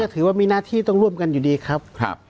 ถือว่ามีหน้าที่ต้องร่วมกันอยู่ดีครับ